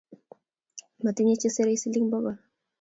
Matinye che sirei siling pokol